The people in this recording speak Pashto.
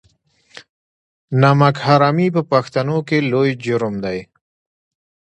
نمک حرامي په پښتنو کې لوی جرم دی.